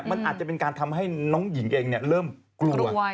มันอาจจะเป็นการทำให้น้องหญิงเองเริ่มกลัว